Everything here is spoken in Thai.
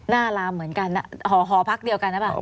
หน้าลามเหมือนกันหอพักเดียวกันได้ป่ะ